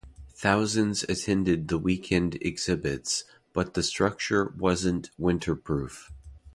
Thousands attended the weekend exhibits, but the structure wasn't winterproof.